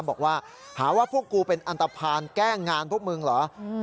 บอกว่าหาว่าพวกกูเป็นอันตภัณฑ์แกล้งงานพวกมึงเหรอ